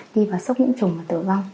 đi vào sốc nhiễm trùng và tử vong